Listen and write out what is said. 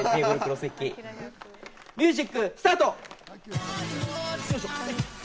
ミュージックスタート！